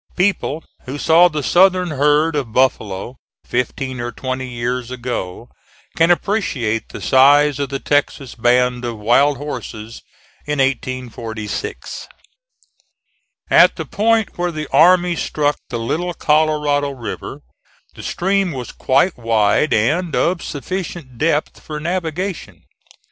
People who saw the Southern herd of buffalo, fifteen or twenty years ago, can appreciate the size of the Texas band of wild horses in 1846. At the point where the army struck the Little Colorado River, the stream was quite wide and of sufficient depth for navigation.